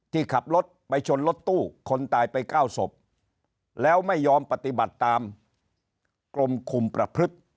ที่ขับรถไปชนรถตู้คนตายไป๙ศพแล้วไม่ยอมปฏิบัติตามกรมคุมประพฤติ